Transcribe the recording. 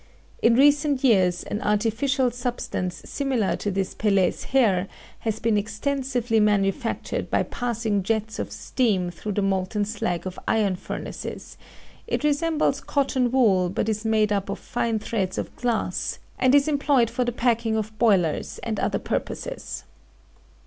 In recent years an artificial substance similar to this Pele's hair has been extensively manufactured by passing jets of steam through the molten slag of iron furnaces; it resembles cotton wool, but is made up of fine threads of glass, and is employed for the packing of boilers and other purposes.